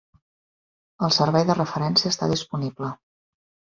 El servei de referència està disponible.